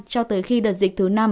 cho tới khi đợt dịch thứ năm